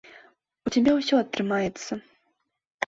У цябе ўсё атрымаецца.